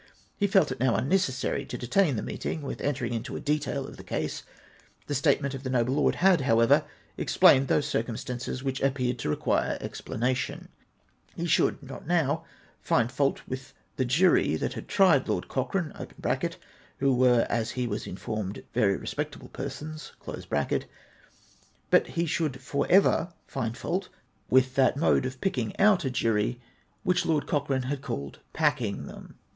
He felt it now ixnne cessary to detain the meeting with entering into a detail of tlie case : the statement of the noble lord had, however, explained those circumstances which appeared to require explanation. He should not now find fault with the jury that tried Lord Cochrane (who were, as he was informed, very re spectable persons); l)ut he should for ever find fault with that WESTMINSTER MEETING. 439 mode of picking out a jury whicli Lord Cochrane had called packing them.